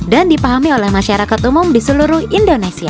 dan dipahami oleh masyarakat umum di seluruh indonesia